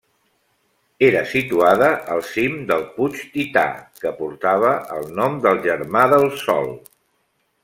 Era situada al cim del puig Tità, que portava el nom del germà del sol.